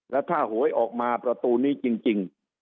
แล้วถ้าหวยออกมาประตูนี้จริง